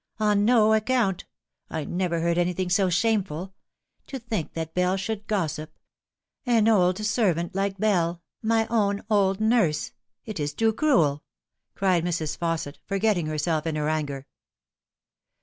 " On no account. I never heard anything so shameful. To think that Bell should gossip ! An old servant like Bell my own old nurse. It is too cruel !" cried Mrs. Fausset, forget ting herself in her anger.